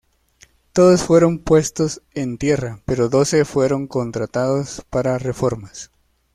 Todos fueron puestos en tierra, pero doce fueron contratados para reformas.